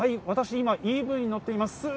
私、今、ＥＶに乗っています。